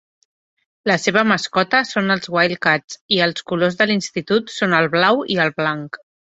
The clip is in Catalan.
La seva mascota són els Wildcats i els colors de l'institut són el blau i el blanc.